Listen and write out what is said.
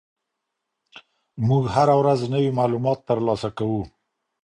موږ هره ورځ نوي معلومات ترلاسه کوو.